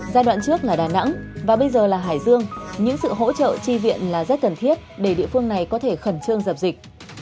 giai đoạn trước là đà nẵng và bây giờ là hải dương những sự hỗ trợ chi viện là rất cần thiết để địa phương này có thể khẩn trương dập dịch